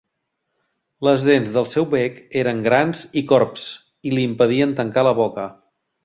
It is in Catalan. Les dents del seu bec eren grans i corbs i li impedien tancar la boca.